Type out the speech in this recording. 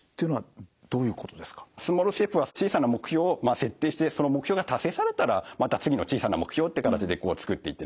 スモールステップは小さな目標を設定してその目標が達成されたらまた次の小さな目標っていう形でつくっていってですね